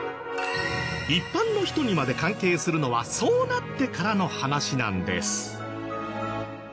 一般の人にまで関係するのはそうなってからの話なんです。